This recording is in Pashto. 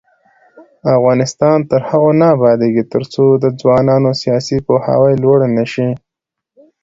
افغانستان تر هغو نه ابادیږي، ترڅو د ځوانانو سیاسي پوهاوی لوړ نشي.